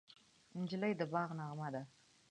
نجلۍ د باد نغمه ده.